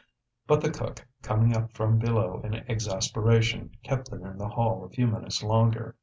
But the cook, coming up from below in exasperation, kept them in the hall a few minutes longer.